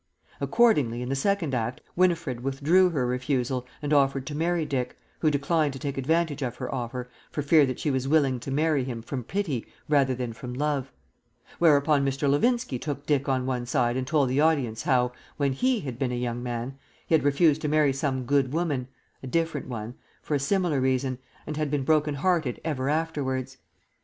Accordingly in the Second Act Winifred withdrew her refusal and offered to marry Dick, who declined to take advantage of her offer for fear that she was willing to marry him from pity rather than from love; whereupon Mr. Levinski took Dick on one side and told the audience how, when he had been a young man, he had refused to marry some good woman (a different one) for a similar reason, and had been broken hearted ever afterwards.